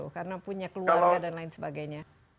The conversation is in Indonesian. karena punya keluarga dan lain sebagainya